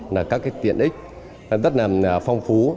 là các tiện ích rất là phong phú